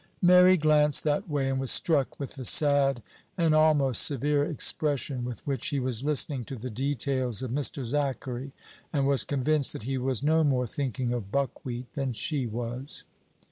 Mary glanced that way, and was struck with the sad and almost severe expression with which he was listening to the details of Mr. Zachary, and was convinced that he was no more thinking of buckwheat than she was.